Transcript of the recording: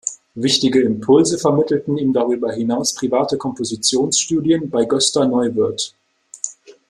Wichtige Impulse vermittelten ihm darüber hinaus private Kompositionsstudien bei Gösta Neuwirth.